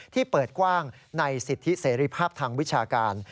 ที่เปิดกว้างในสิทธิเสรีภาพทางวิชาการ